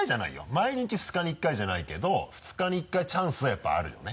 毎日２日に１回じゃないけど２日に１回チャンスはやっぱりあるよね。